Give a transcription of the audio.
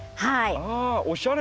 ああおしゃれ！